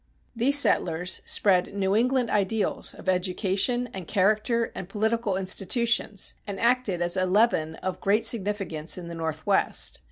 These settlers spread New England ideals of education and character and political institutions, and acted as a leaven of great significance in the Northwest.